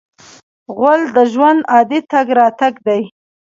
غول د ژوند عادي تګ راتګ دی.